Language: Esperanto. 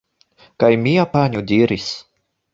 Kaj mia panjo diris: